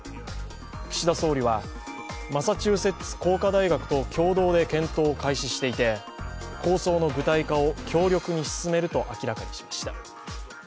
岸田総理はマサチューセッツ工科大学と共同で検討を開始していて構想の具体化を強力に進めると明らかにしました。